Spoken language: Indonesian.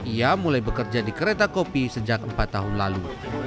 ia mulai bekerja di kereta kopi sejak empat tahun lalu